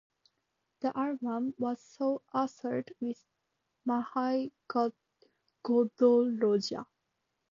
The album was co-authored with Mihai Godoroja.